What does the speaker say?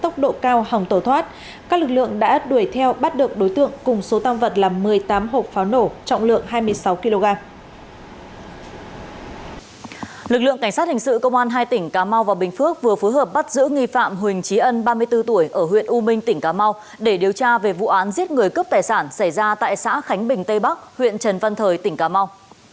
cơ quan công an hai tỉnh cà mau và bình phước vừa phối hợp bắt giữ nghi phạm huỳnh trí ân ba mươi bốn tuổi ở huyện u minh tỉnh cà mau để điều tra về vụ án giết người cướp tài sản xảy ra tại xã khánh bình tây bắc huyện trần văn thời tỉnh cà mau